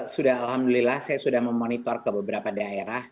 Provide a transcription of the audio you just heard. sudah alhamdulillah saya sudah memonitor ke beberapa daerah